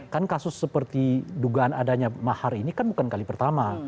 kan kasus seperti dugaan adanya mahar ini kan bukan kali pertama